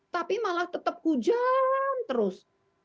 tapi malah tetap hujan terus